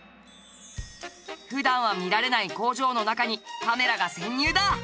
普段は見られない工場の中にカメラが潜入だ！